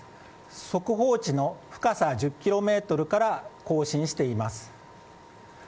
速報値の深さ１０ｋｍから更新しています。